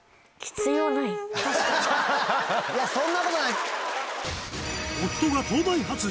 そんなことない！